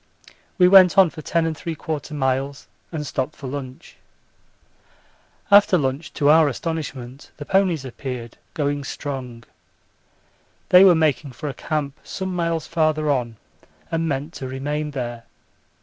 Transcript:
We went on for 10 3/4 miles and stopped for lunch. After lunch to our astonishment the ponies appeared, going strong. They were making for a camp some miles farther on, and meant to remain there.